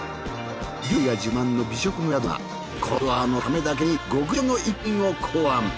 料理が自慢の美食の宿がこのツアーのためだけに極上の一品を考案。